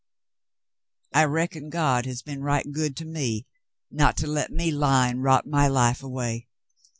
I reckon God has been right good to me net to let me lie and rot my life away.